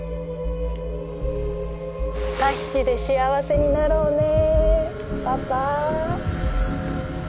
タヒチで幸せになろうねパパ。